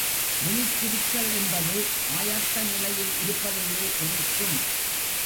விழித்திருத்தல் என்பது ஆயத்த நிலையில் இருப்பதையே குறிக்கும்.